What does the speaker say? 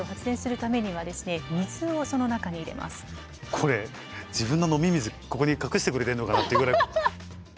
これ自分の飲み水ここに隠してくれてるのかなっていうぐらい。